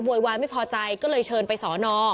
วายไม่พอใจก็เลยเชิญไปสอนอ